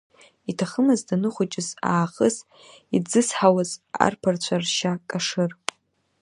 Иҭахымызт даныхәыҷыз аахыс ицзызҳауаз арԥарцәа ршьа кашыр.